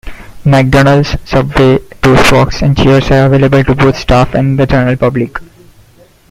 McDonald's, Subway, ToastBox, and Cheers are available to both staff and the general public.